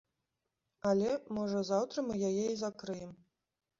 Але, можа, заўтра мы яе і закрыем.